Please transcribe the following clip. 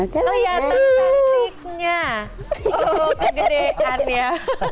kelihatan cantiknya kegedean ya